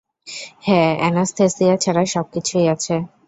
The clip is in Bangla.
হ্যাঁ, অ্যানাসথেসিয়া ছাড়া সবকিছুই আছে।